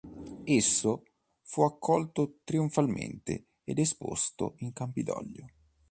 Esso fu accolto trionfalmente ed esposto in Campidoglio.